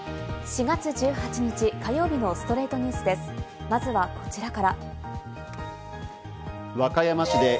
４月１８日、火曜日の『ストレイトニュース』です。